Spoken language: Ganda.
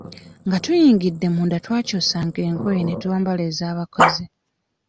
Nga tuyingidde munda twakyusanga engoye ne twambala ez'abakozi.